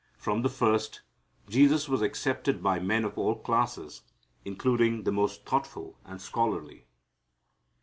From the first, Jesus was accepted by men of all classes, including the most thoughtful and scholarly.